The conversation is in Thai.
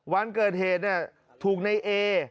วันเกิดเหตุเนี่ยถูกในเอ